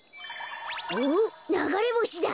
おっながれぼしだ。